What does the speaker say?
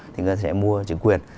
thì người ta sẽ mua chứng quyền